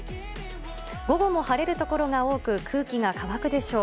午後も晴れる所が多く空気が乾くでしょう。